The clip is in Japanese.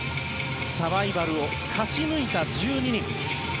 サバイバルを勝ち抜いた１２人。